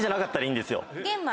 玄米？